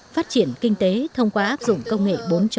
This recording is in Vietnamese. phát triển kinh tế thông qua áp dụng công nghệ bốn